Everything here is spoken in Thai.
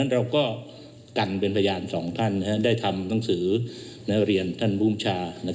เราก็กันเป็นพยานสองท่านได้ทำหนังสือเรียนท่านภูมิชา